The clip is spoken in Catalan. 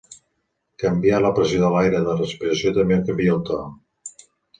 Canviar la pressió de l'aire de respiració també canvia el to.